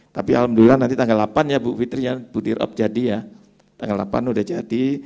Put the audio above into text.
tapi alhamdulillah nanti tanggal delapan ya bu fitri ya bu dirab jadi ya tanggal delapan sudah jadi